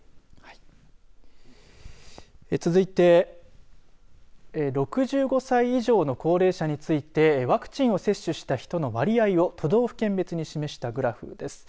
続いて６５歳以上の高齢者についてワクチンを接種した人の割合を都道府県別に示したグラフです。